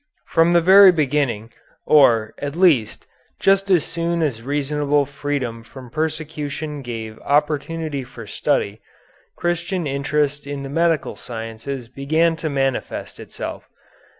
From the very beginning, or, at least, just as soon as reasonable freedom from persecution gave opportunity for study, Christian interest in the medical sciences began to manifest itself.